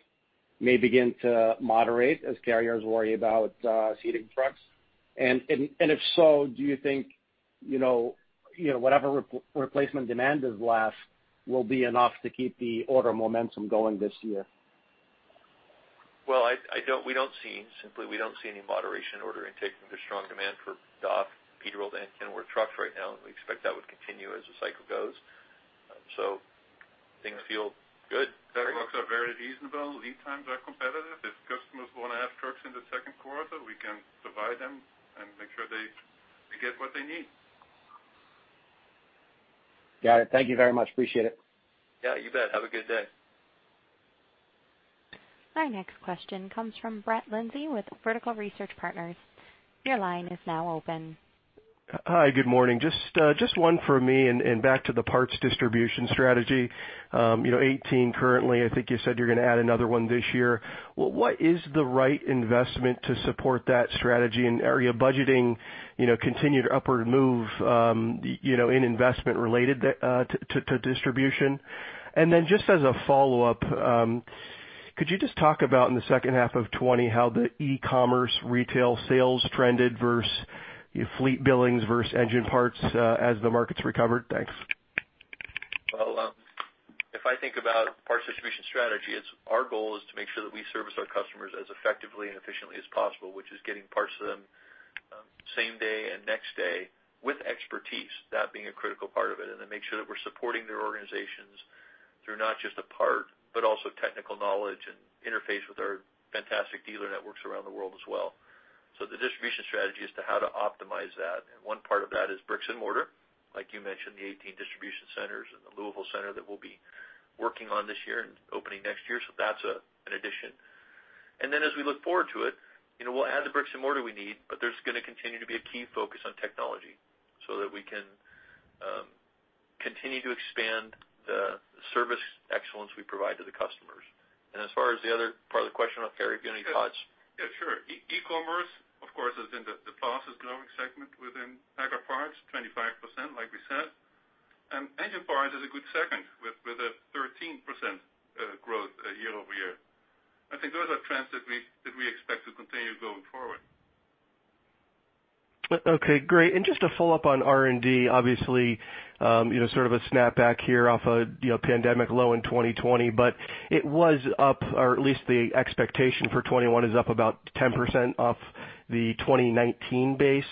may begin to moderate as carriers worry about seating trucks? And if so, do you think whatever replacement demand is left will be enough to keep the order momentum going this year? We don't see any moderation in order intake for DAF, Peterbilt, and Kenworth trucks right now. We expect that would continue as the cycle goes. Things feel good. Very good. The trucks are very reasonable. Lead times are competitive. If customers want to have trucks in the second quarter, we can provide them and make sure they get what they need. Got it. Thank you very much. Appreciate it. Yeah. You bet. Have a good day. Our next question comes from Brett Linzey with Vertical Research Partners. Your line is now open. Hi. Good morning. Just one for me and back to the parts distribution strategy. 2018 currently, I think you said you're going to add another one this year. What is the right investment to support that strategy in area budgeting, continued upward move in investment related to distribution? And then just as a follow-up, could you just talk about in the second half of 2020 how the e-commerce retail sales trended versus fleet billings versus engine parts as the markets recovered? Thanks. If I think about parts distribution strategy, our goal is to make sure that we service our customers as effectively and efficiently as possible, which is getting parts to them same day and next day with expertise, that being a critical part of it. Then make sure that we're supporting their organizations through not just a part, but also technical knowledge and interface with our fantastic dealer networks around the world as well. The distribution strategy is to how to optimize that. One part of that is bricks and mortar, like you mentioned, the 18 distribution centers and the Louisville center that we'll be working on this year and opening next year. That's an addition. And then as we look forward to it, we'll add the bricks and mortar we need, but there's going to continue to be a key focus on technology so that we can continue to expand the service excellence we provide to the customers. And as far as the other part of the question, I'm not sure if you have any thoughts. Yeah. Sure. E-commerce, of course, has been the fastest growing segment within PACCAR Parts, 25%, like we said. And engine parts is a good second with a 13% growth year over year. I think those are trends that we expect to continue going forward. Okay. Great, and just to follow up on R&D, obviously, sort of a snapback here off a pandemic low in 2020, but it was up, or at least the expectation for 2021 is up about 10% off the 2019 base.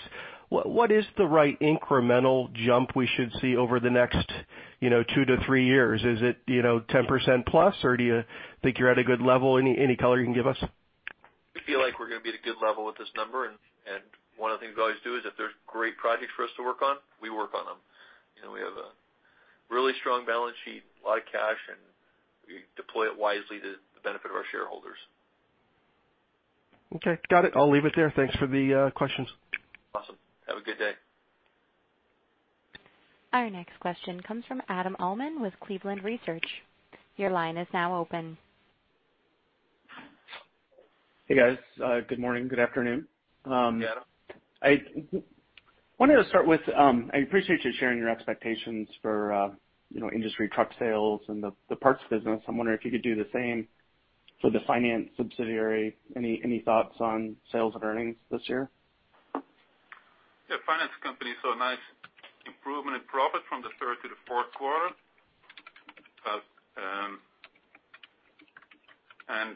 What is the right incremental jump we should see over the next two to three years? Is it 10% plus, or do you think you're at a good level? Any color you can give us? We feel like we're going to be at a good level with this number, and one of the things we always do is if there's great projects for us to work on, we work on them. We have a really strong balance sheet, a lot of cash, and we deploy it wisely to the benefit of our shareholders. Okay. Got it. I'll leave it there. Thanks for the questions. Awesome. Have a good day. Our next question comes from Adam Uhlman with Cleveland Research. Your line is now open. Hey, guys. Good morning. Good afternoon. Hey, Adam. I wanted to start with, I appreciate you sharing your expectations for industry truck sales and the parts business. I'm wondering if you could do the same for the finance subsidiary. Any thoughts on sales and earnings this year? Yeah. Finance company saw a nice improvement in profit from the third to the fourth quarter, and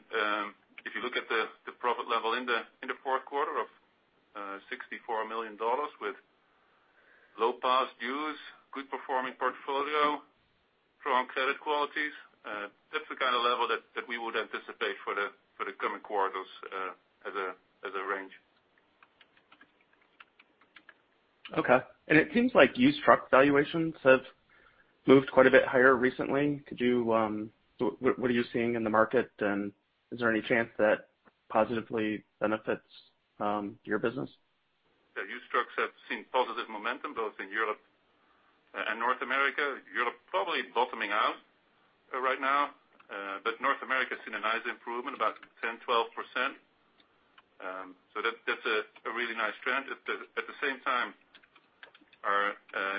if you look at the profit level in the fourth quarter of $64 million with low past dues, good-performing portfolio, strong credit qualities, that's the kind of level that we would anticipate for the coming quarters as a range. Okay. And it seems like used truck valuations have moved quite a bit higher recently. What are you seeing in the market, and is there any chance that positively benefits your business? Yeah. Used trucks have seen positive momentum both in Europe and North America. Europe probably bottoming out right now, but North America has seen a nice improvement, about 10%-12%. So that's a really nice trend. At the same time, our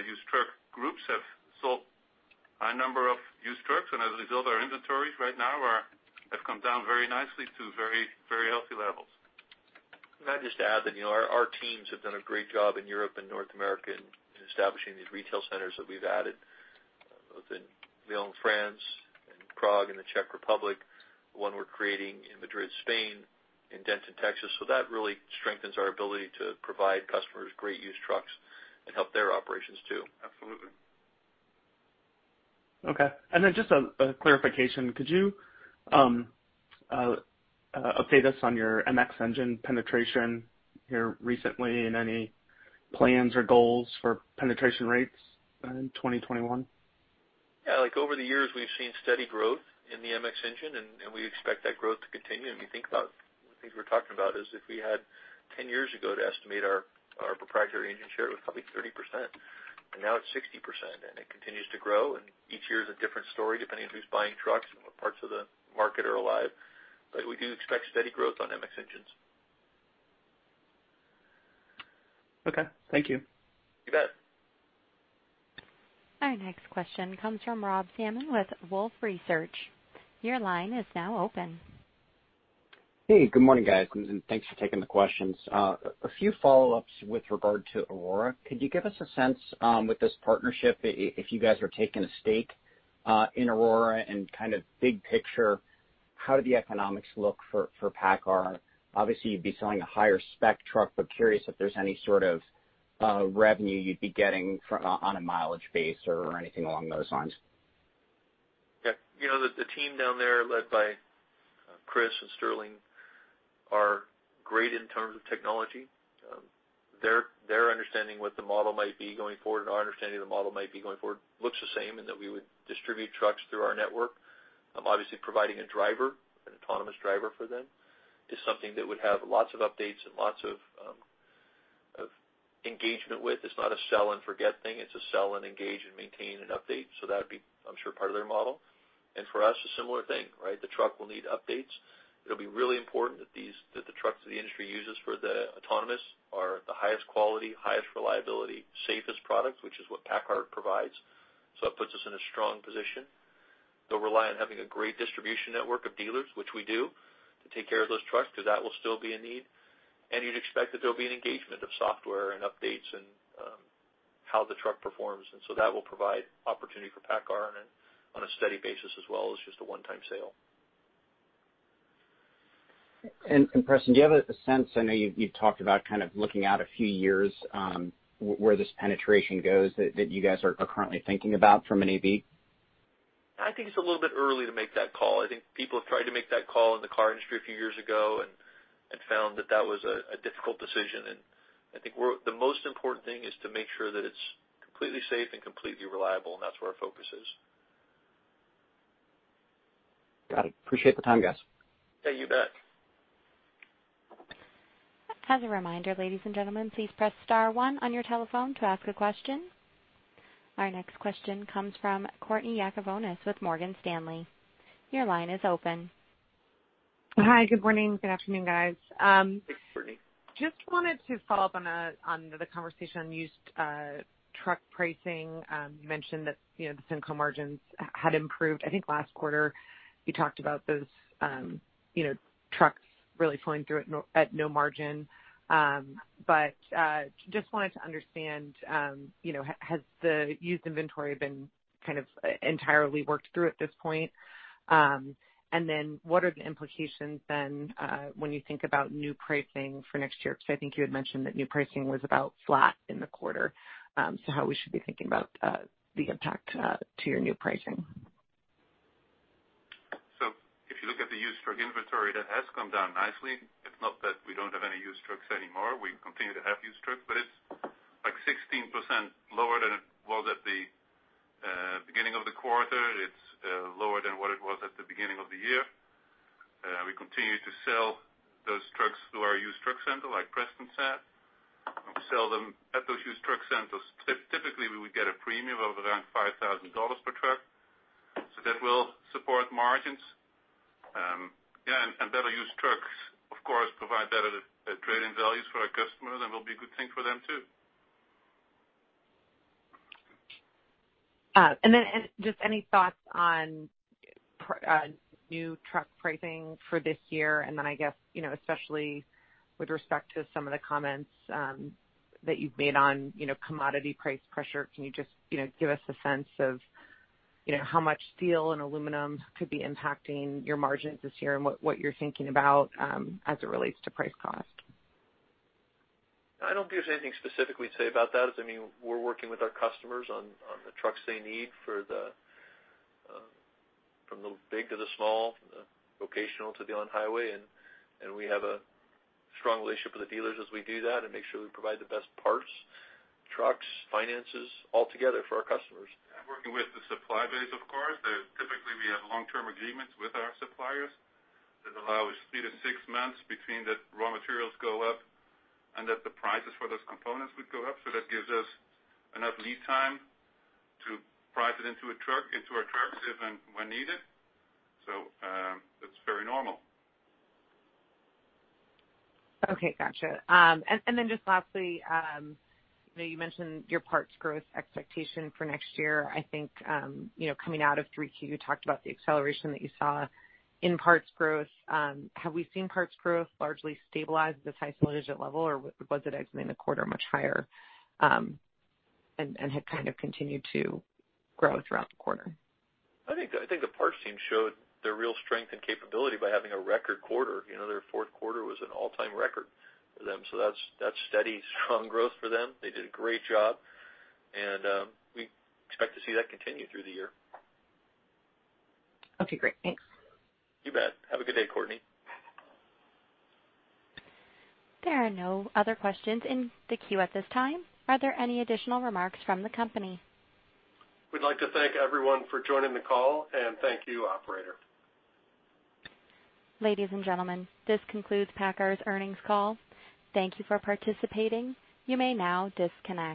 used truck groups have sold a number of used trucks. And as a result, our inventories right now have come down very nicely to very healthy levels. And I'd just add that our teams have done a great job in Europe and North America in establishing these retail centers that we've added both in Lyon, France, and Prague, and the Czech Republic, one we're creating in Madrid, Spain, and Denton, Texas. So that really strengthens our ability to provide customers great used trucks and help their operations too. Absolutely. Okay. And then just a clarification. Could you update us on your MX engine penetration here recently and any plans or goals for penetration rates in 2021? Yeah. Over the years, we've seen steady growth in the MX engine, and we expect that growth to continue, and if you think about the things we're talking about, if we had 10 years ago to estimate our proprietary engine share, it was probably 30%, and now it's 60%, and it continues to grow, and each year is a different story depending on who's buying trucks and what parts of the market are alive, but we do expect steady growth on MX engines. Okay. Thank you. You bet. Our next question comes from Rob Salmon with Wolfe Research. Your line is now open. Hey. Good morning, guys, and thanks for taking the questions. A few follow-ups with regard to Aurora. Could you give us a sense with this partnership, if you guys are taking a stake in Aurora and kind of big picture, how do the economics look for PACCAR? Obviously, you'd be selling a higher spec truck, but curious if there's any sort of revenue you'd be getting on a mileage base or anything along those lines. Yeah. The team down there led by Chris and Sterling are great in terms of technology. Their understanding what the model might be going forward and our understanding of the model might be going forward looks the same in that we would distribute trucks through our network. Obviously, providing an autonomous driver for them is something that would have lots of updates and lots of engagement with. It's not a sell-and-forget thing. It's a sell-and-engage and maintain and update. So that would be, I'm sure, part of their model. And for us, a similar thing, right? The truck will need updates. It'll be really important that the trucks that the industry uses for the autonomous are the highest quality, highest reliability, safest product, which is what PACCAR provides. So it puts us in a strong position. They'll rely on having a great distribution network of dealers, which we do, to take care of those trucks because that will still be a need. And you'd expect that there'll be an engagement of software and updates and how the truck performs. And so that will provide opportunity for PACCAR on a steady basis as well as just a one-time sale. And Preston, do you have a sense? I know you've talked about kind of looking out a few years where this penetration goes that you guys are currently thinking about from an AV? I think it's a little bit early to make that call. I think people have tried to make that call in the car industry a few years ago and found that that was a difficult decision, and I think the most important thing is to make sure that it's completely safe and completely reliable, and that's where our focus is. Got it. Appreciate the time, guys. Yeah. You bet. As a reminder, ladies and gentlemen, please press star one on your telephone to ask a question. Our next question comes from Courtney Yakavonis with Morgan Stanley. Your line is open. Hi. Good morning. Good afternoon, guys. Hey, Courtney. Just wanted to follow up on the conversation on used truck pricing. You mentioned that the used margins had improved. I think last quarter, you talked about those trucks really flowing through at no margin. But just wanted to understand, has the used inventory been kind of entirely worked through at this point? And then what are the implications then when you think about new pricing for next year? Because I think you had mentioned that new pricing was about flat in the quarter. So how we should be thinking about the impact to your new pricing? So if you look at the used truck inventory, that has come down nicely. It's not that we don't have any used trucks anymore. We continue to have used trucks, but it's like 16% lower than it was at the beginning of the quarter. It's lower than what it was at the beginning of the year. We continue to sell those trucks through our used truck center, like Preston said. We sell them at those used truck centers. Typically, we would get a premium of around $5,000 per truck. So that will support margins. Yeah. And better used trucks, of course, provide better trading values for our customers. And it'll be a good thing for them too. And then just any thoughts on new truck pricing for this year? And then, I guess, especially with respect to some of the comments that you've made on commodity price pressure, can you just give us a sense of how much steel and aluminum could be impacting your margins this year, and what you're thinking about as it relates to price cost? I don't think there's anything specific we'd say about that. I mean, we're working with our customers on the trucks they need from the big to the small, from the vocational to the on-highway. And we have a strong relationship with the dealers as we do that and make sure we provide the best parts, trucks, finances altogether for our customers. Working with the supply base, of course. Typically, we have long-term agreements with our suppliers that allow us three to six months between that raw materials go up and that the prices for those components would go up. So that gives us enough lead time to price it into a truck, into our trucks when needed. So that's very normal. Okay. Gotcha. And then just lastly, you mentioned your parts growth expectation for next year. I think coming out of 3Q, you talked about the acceleration that you saw in parts growth. Have we seen parts growth largely stabilize at this high single-digit level, or was it exiting the quarter much higher and had kind of continued to grow throughout the quarter? I think the parts team showed their real strength and capability by having a record quarter. Their fourth quarter was an all-time record for them, so that's steady, strong growth for them. They did a great job, and we expect to see that continue through the year. Okay. Great. Thanks. You bet. Have a good day, Courtney. There are no other questions in the queue at this time. Are there any additional remarks from the company? We'd like to thank everyone for joining the call, and thank you, operator. Ladies and gentlemen, this concludes PACCAR's earnings call. Thank you for participating. You may now disconnect.